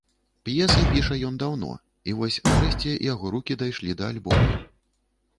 П'есы піша ён даўно, і вось нарэшце яго рукі дайшлі да альбома.